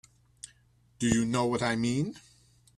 Do you know what I mean?